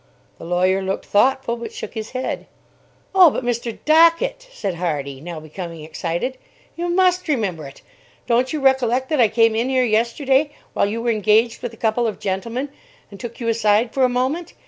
The lawyer looked thoughtful, but shook his head. "Oh, but Mr. Dockett," said Hardy, now becoming excited; "you must remember it. Don't you recollect that I came in here yesterday, while you were engaged with a couple of gentlemen, and took you aside for a moment?